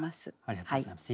ありがとうございます。